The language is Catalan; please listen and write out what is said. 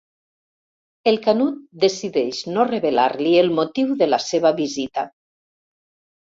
El Canut decideix no revelar-li el motiu de la seva visita.